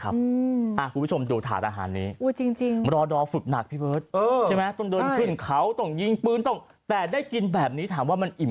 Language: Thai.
มันไม่ใช่น่องขาด้วยสิมันเป็นปรีกบนด้วยสิ